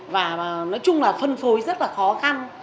và nói chung là phân phối rất là khó khăn